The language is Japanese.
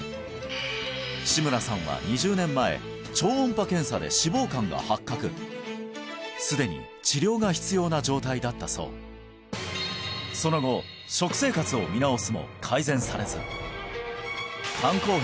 志村さんは２０年前超音波検査で脂肪肝が発覚すでに治療が必要な状態だったそうその後にまで下がる恐ろしい病です